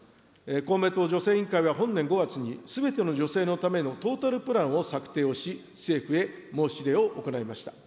公明党女性委員会は本年５月に、すべての女性のためのトータルプランを策定をし、政府へ申し入れを行いました。